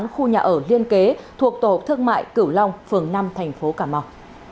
khu nhà ở liên kế thuộc tổ hợp thương mại cửu long phường năm tp cà mau